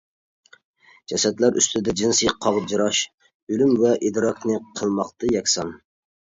جەسەتلەر ئۈستىدە جىنسىي قاغجىراش ئۆلۈم ۋە ئىدراكنى قىلماقتا يەكسان.